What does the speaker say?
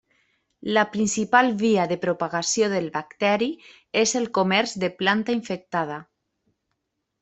La principal via de propagació del bacteri és el comerç de planta infectada.